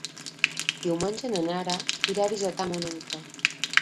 Diumenge na Nara irà a visitar mon oncle.